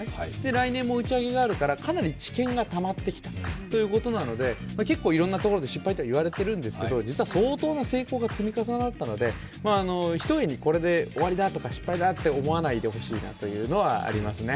来年も打ち上げがあるからかなり知見がたまってきたということで、結構いろんなところで失敗と言われているんですけれども実は相当な成功が積み重なったので、ひとえにこれで終わりだとか失敗だとか思わないでほしいというのがありますね。